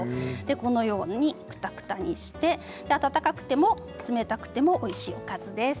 このようにクタクタにして温かくても、冷たくてもおいしいおかずです。